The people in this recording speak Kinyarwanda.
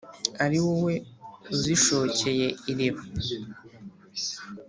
ari wowe uzishokeye iriba,